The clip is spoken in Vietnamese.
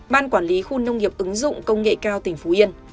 ban quản lý khu nông nghiệp ứng dụng công nghệ cao tỉnh phú yên